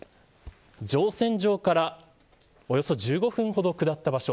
乗船場からおよそ１５分ほど下った場所